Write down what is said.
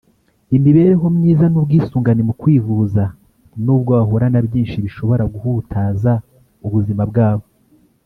imibereho myiza n’ubwisungane mu kwivuza n’ubwo bahura na byinshi bishobora guhutaza ubuzima bwabo